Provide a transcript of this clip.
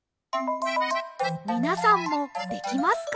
みなさんもできますか？